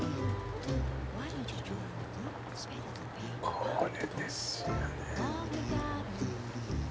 これですよね。